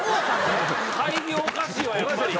改行おかしいわやっぱり。